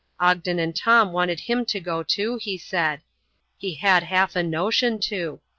Ogden and Tom wanted him to go too, he said. He had half a notion to.